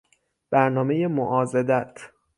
برنامهی معاضدت